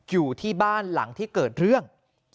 อยู่ที่บ้านหลังที่เกิดเรื่อง